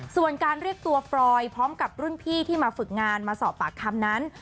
ส่วนการเรียกตัวฟรอยพร้อมกับรุ่นพี่ที่มาฝึกงานมาสอบปากคำนั้น